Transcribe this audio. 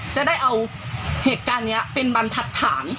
จะได้เอาเหตุการณ์นี้เป็นบรรทัดฐาน